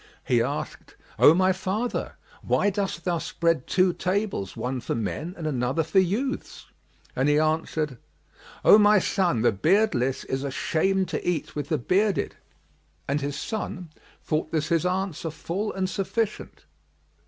He asked, "O my father, why dost thou spread two tables, one for men and another for youths?"; and he answered, "O my son, the beardless is ashamed to eat with the bearded." And his son thought this his answer full and sufficient.